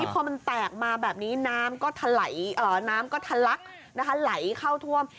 พอมันแตกมาแบบนี้น้ำก็ทะลักนะคะไหลเข้าท่วม